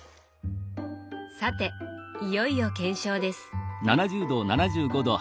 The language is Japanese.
さていよいよ検証です。